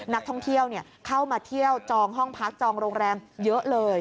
นักท่องเที่ยวเข้ามาเที่ยวจองห้องพักจองโรงแรมเยอะเลย